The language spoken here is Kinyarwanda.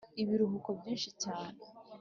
ibiruhuko byinshi cyane